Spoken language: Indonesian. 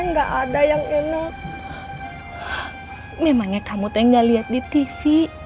oleh itu kamu mau bersama bukuan a whistles